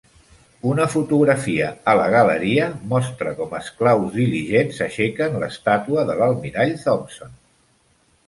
Una fotografia a la galeria mostra com esclaus diligents aixequen l'estàtua de l'almirall Thompson.